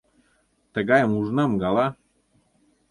Тыгайым ужынам гала?